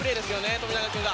富永君が。